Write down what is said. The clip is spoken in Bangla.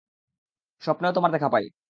স্বপ্নেও তোমার দেখা পাই।